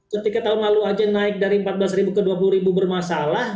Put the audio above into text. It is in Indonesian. ketika tahun lalu saja naik dari rp empat belas ke rp dua puluh bermasalah